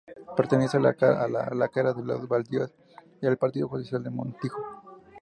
Pertenece a la de Lácara los Baldíos y al Partido judicial de Montijo.